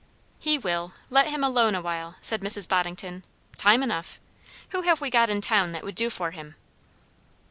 "He will, let him alone a while," said Mrs. Boddington. "Time enough. Who have we got in town that would do for him?"